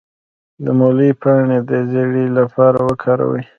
د مولی پاڼې د زیړي لپاره وکاروئ